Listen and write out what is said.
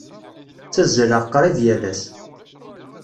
Ttazzaleɣ qrib yal ass.